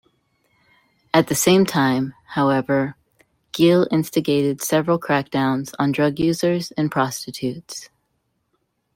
At the same time, however, Gil instigated several crackdowns on drug users and prostitutes.